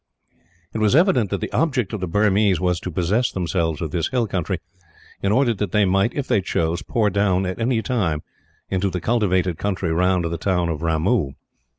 It was evident that the object of the Burmese was to possess themselves of this hill country in order that they might, if they chose, pour down at any time into the cultivated country round the town of Ramoo.